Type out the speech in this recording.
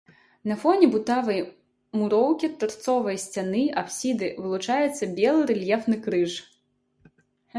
На фоне бутавай муроўкі тарцовай сцяны апсіды вылучаецца белы рэльефны крыж.